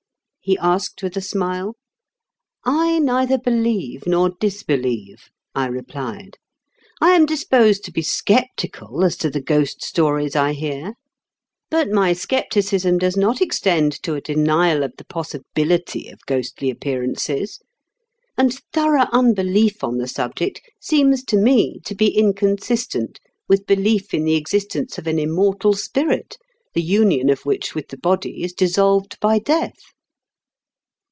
he asked with a smile. " I neither believe nor disbelieve," I replied. "1 am disposed to be sceptical as to the ghost stories I hear, but my scepticism does not extend to a denial of the possibility of ghostly appearances ; and thorough unbelief on the subject seems to me to be inconsistent with belief in the existence of an immortal spirit, the union of which with the body is dissolved by death."